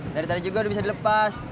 dari tadi juga udah bisa dilepas